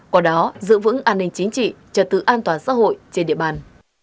quả đó giữ vững an ninh chính trị trật tự an toàn xã hội trên địa bàn